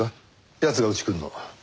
奴がうち来るの。